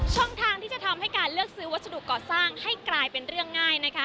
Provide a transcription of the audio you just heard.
ทางที่จะทำให้การเลือกซื้อวัสดุก่อสร้างให้กลายเป็นเรื่องง่ายนะคะ